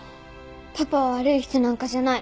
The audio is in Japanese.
パパは悪い人なんかじゃない。